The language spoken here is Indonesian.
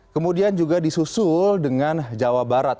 kemudian juga disusul dengan jawa barat